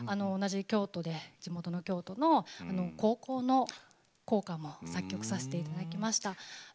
同じ京都で、地元の京都の高校の校歌も作曲させていただきました。